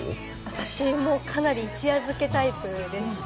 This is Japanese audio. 私もかなり一夜漬けタイプでした。